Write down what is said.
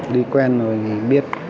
đi quen rồi thì biết